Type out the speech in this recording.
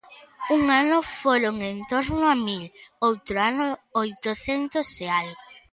Un ano foron en torno a mil; outro ano, oitocentas e algo.